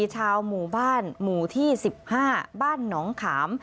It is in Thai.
ชาวหมู่บ้านหมู่ที่๑๕บ้านหนองขาม